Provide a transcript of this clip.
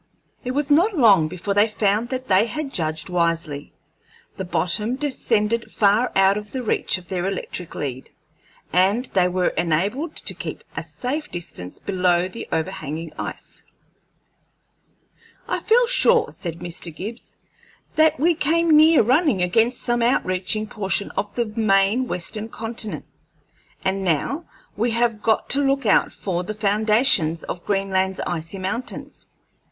It was not long before they found that they had judged wisely; the bottom descended far out of the reach of their electric lead, and they were enabled to keep a safe distance below the overhanging ice. "I feel sure," said Mr. Gibbs, "that we came near running against some outreaching portion of the main Western Continent, and now we have got to look out for the foundations of Greenland's icy mountains."